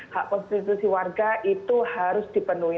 hak konstitusi warga itu harus dipenuhi